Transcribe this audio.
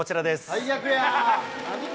最悪や。